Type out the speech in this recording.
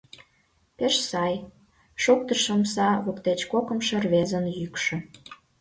— Пеш сай, — шоктыш омса воктеч кокымшо рвезын йӱкшӧ.